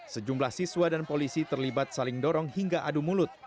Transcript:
sejumlah siswa dan polisi terlibat saling dorong hingga adu mulut